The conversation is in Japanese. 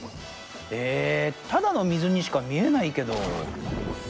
えただのみずにしかみえないけど？